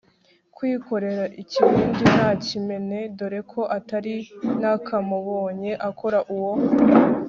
kwikorera ikibindi ntakimene, dore ko ntari nakamubonye akora uwo